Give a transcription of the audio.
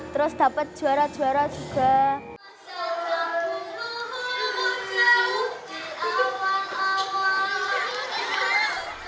terus dapat juara juara juga